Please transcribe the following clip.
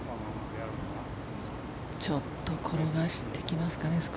ちょっと転がしてきますかね。